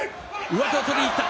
上手を取りに行った。